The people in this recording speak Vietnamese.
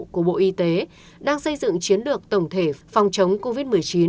của bộ y tế đang xây dựng chiến lược tổng thể phòng chống covid một mươi chín